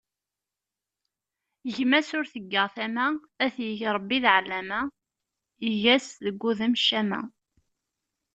Gma s ur teggaɣ tama, ad t-yeg Ṛebbi d ɛellama, yeg-as deg wudem ccama.